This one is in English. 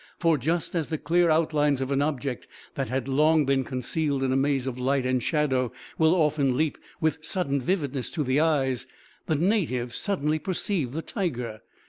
For just as the clear outlines of an object that has long been concealed in a maze of light and shadow will often leap, with sudden vividness, to the eyes, the native suddenly perceived the tiger.